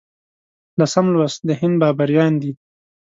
لسم لوست د هند بابریان دي.